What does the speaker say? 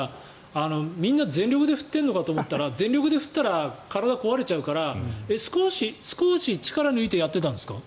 みんな全力で振っているのかと思ったら全力で振ったら体が壊れちゃうから少し力を抜いてやってたんですか？